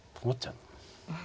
うん。